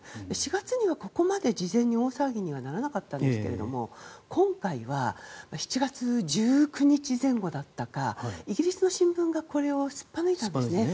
４月にはここまで事前に大騒ぎにならなかったんですが今回は、７月１９日前後だったかイギリスの新聞がこれをすっぱ抜いたんですね。